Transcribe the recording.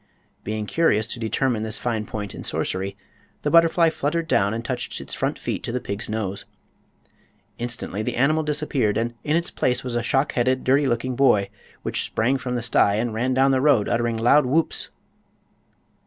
Being curious to determine this fine point in sorcery the butterfly fluttered down and touched its front feet to the pig's nose. Instantly the animal disappeared, and in its place was a shock headed, dirty looking boy, which sprang from the sty and ran down the road uttering load whoops.